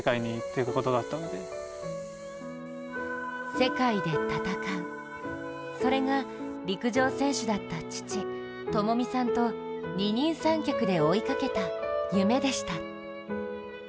世界で戦う、それが陸上選手だった父・知巳さんと二人三脚で追いかけた夢でした。